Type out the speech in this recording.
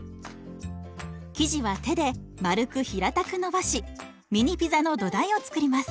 生地は手で丸く平たくのばしミニピザの土台を作ります。